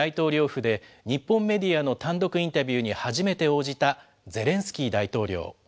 府で日本メディアの単独インタビューに初めて応じたゼレンスキー大統領。